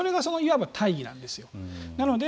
それが大義なんですよ。